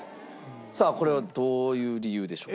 さあこれはどういう理由でしょう？